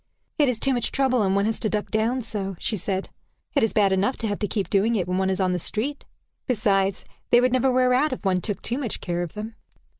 "It is too much trouble, and one has to duck down so," she said. "It is bad enough to have to keep doing it when one is on the street. Besides, they would never wear out if one took too much care of them."